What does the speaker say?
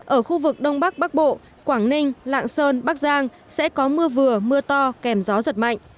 ở khu vực đông bắc bắc bộ quảng ninh lạng sơn bắc giang sẽ có mưa vừa mưa to kèm gió giật mạnh